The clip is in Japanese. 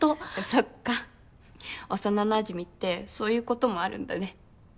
そっか幼なじみってそういうこともあるんだね。